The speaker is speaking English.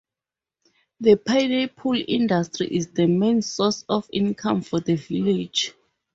The pineapple industry is the main source of income for the village.